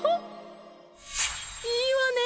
いいわね。